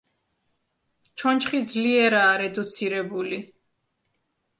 ჩონჩხი ძლიერაა რედუცირებული.